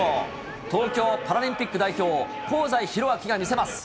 東京パラリンピック代表、香西宏昭が見せます。